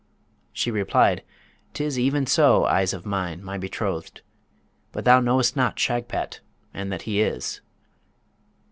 She replied, ''Tis even so, eyes of mine, my betrothed! but thou know'st not Shagpat, and that he is.